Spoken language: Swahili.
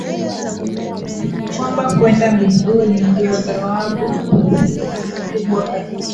kwamba kwenda mbinguni ndio thawabu kubwa kabisa